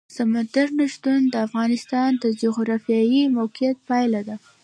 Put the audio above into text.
سمندر نه شتون د افغانستان د جغرافیایي موقیعت پایله ده.